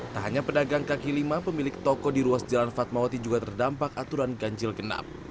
tak hanya pedagang kaki lima pemilik toko di ruas jalan fatmawati juga terdampak aturan ganjil genap